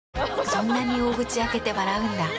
そんなに大口開けて笑うんだ。